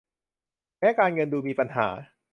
แม้การเงินดูมีปัญหา